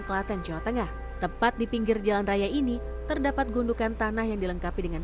kelaten jawa tengah tepat di pinggir jalan raya ini terdapat gundukan tanah yang dilengkapi dengan